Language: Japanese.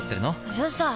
うるさい！